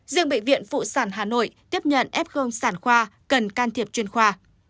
riêng bệnh viện phụ sản hà nội tiếp nhận f gương sản khoa cần can thiệp chuyên khoa